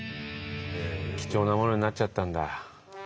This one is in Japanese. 貴重なものになっちゃったんだ。